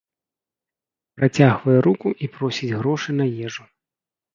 Працягвае руку і просіць грошы на ежу.